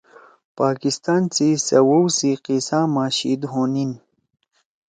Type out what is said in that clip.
پاکستان سی سوؤ سی قصّہ ما شیِد ہونیِن